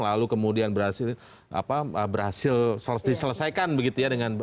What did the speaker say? lalu kemudian berhasil diselesaikan begitu ya